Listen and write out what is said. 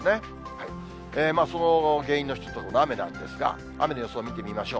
その原因の一つとなるのが雨なんですが、雨の予想を見てみましょう。